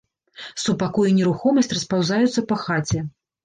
Супакой і нерухомасць распаўзаюцца па хаце.